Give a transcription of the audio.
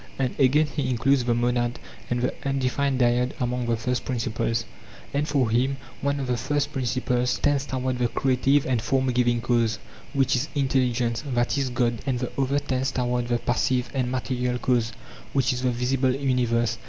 And again he includes the monad and the undefined dyad among the first principles; and for him one of the first principles tends toward the creative and form giving cause, which is intelligence, that is god, and the other tends toward the passive and material cause, which is the visible universe.